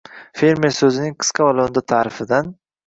«Fermer» so‘zining qisqa va lo‘nda ta’rifidan